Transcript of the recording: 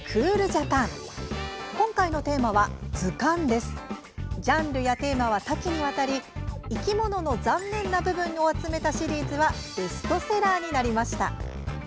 ジャンルやテーマは多岐にわたり生き物のざんねんな部分を集めたシリーズはベストセラーになりました。